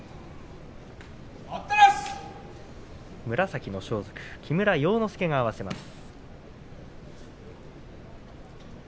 紫の装束木村要之助が合わせます。